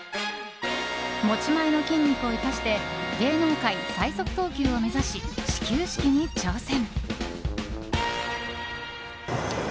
持ち前の筋肉を生かして芸能界最速投球を目指し始球式に挑戦。